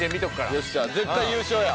よっしゃ絶対優勝や。